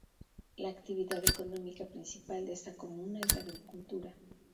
La actividad económica principal de esta comuna es la agricultura.